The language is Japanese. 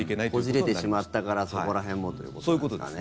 こじれてしまったからそこら辺もということですかね。